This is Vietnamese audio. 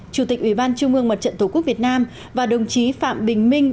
chủ tịch ủy ban trung ương mặt trận tổ quốc việt nam và đồng chí phạm bình minh